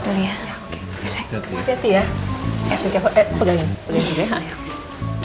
teti ya pegangin